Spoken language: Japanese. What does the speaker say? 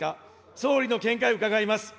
総理の見解を伺います。